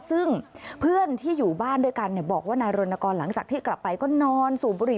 ซึ่งเพื่อนที่อยู่บ้านด้วยกันบอกว่านายรณกรหลังจากที่กลับไปก็นอนสูบบุหรี